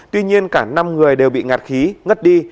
tuy nhiên cả năm người đều bị ngạt khí ngất đi